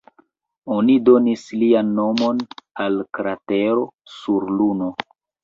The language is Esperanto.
Oni donis lian nomon al kratero sur Luno.